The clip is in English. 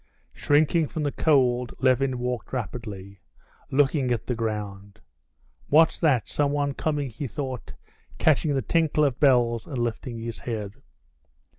Shrinking from the cold, Levin walked rapidly, looking at the ground. "What's that? Someone coming," he thought, catching the tinkle of bells, and lifting his head.